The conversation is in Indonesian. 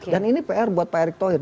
dan ini pr buat pak erik thohir